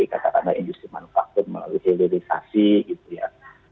katakanlah industri manufaktur melalui hilirisasi gitu ya